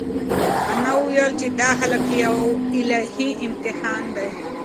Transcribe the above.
انا وویل چې دا هلک یو الهي امتحان دی.